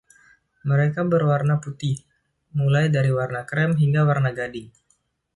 Mereka berwarna putih, mulai dari warna krem hingga warna gading.